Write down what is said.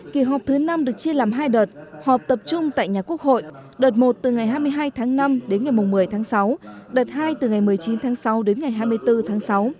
kỳ họp thứ năm được chia làm hai đợt họp tập trung tại nhà quốc hội đợt một từ ngày hai mươi hai tháng năm đến ngày một mươi tháng sáu đợt hai từ ngày một mươi chín tháng sáu đến ngày hai mươi bốn tháng sáu